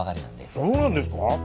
そうなんですか！？